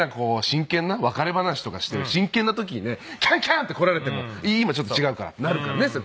真剣な別れ話とかしてる真剣な時にね「キャンキャン！」って来られても今ちょっと違うからってなるからね。